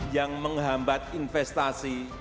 yang menghambat investasi